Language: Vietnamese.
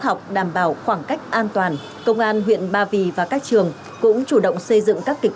học đảm bảo khoảng cách an toàn công an huyện ba vì và các trường cũng chủ động xây dựng các kịch